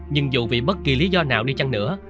nhưng dù vì bất kỳ lý do nào đi chăng nữa